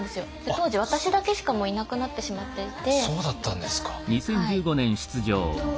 当時私だけしかいなくなってしまっていて。